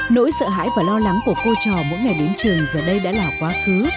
nỗi sợ hãi và lo lắng của cô trò mỗi ngày đến trường giờ đây đã là quá khứ